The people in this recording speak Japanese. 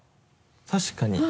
確かに。